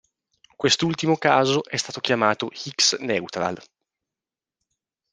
Quest'ultimo caso è stato chiamato Hicks-neutral.